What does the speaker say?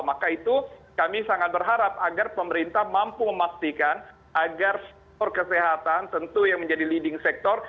maka itu kami sangat berharap agar pemerintah mampu memastikan agar sektor kesehatan tentu yang menjadi leading sector